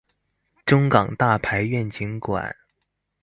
中港大排願景館